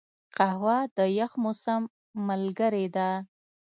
قهوه د یخ موسم ملګرې ده